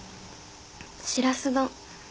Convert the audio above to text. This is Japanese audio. しらす丼。